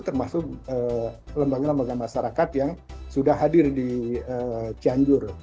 termasuk lembaga lembaga masyarakat yang sudah hadir di cianjur